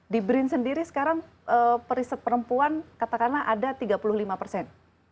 di brin sendiri sekarang periset perempuan katakanlah ada tiga puluh lima persen